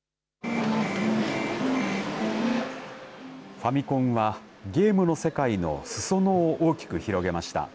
ファミコンはゲームの世界のすそ野を大きく広げました。